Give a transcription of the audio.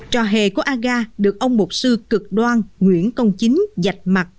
trò hề của aga được ông mục sư cực đoan nguyễn công chính giạch mặt